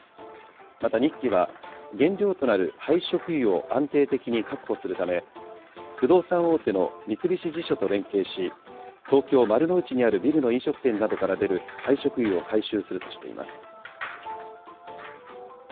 また日揮は、原料となる廃食油を安定的に確保するため、不動産大手の三菱地所と連携し、東京・丸の内にあるビルの飲食店などから出る廃食油を回収するとしています。